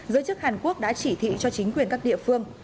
giới chức hàn quốc đã chỉ thị cho chính quyền các địa phương